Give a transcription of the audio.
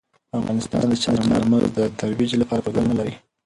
افغانستان د چار مغز د ترویج لپاره پروګرامونه لري.